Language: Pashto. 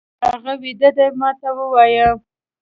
هغه ويده دی، ما ته ووايه!